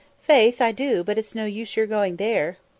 "Faith, I do; but it's no use your going there."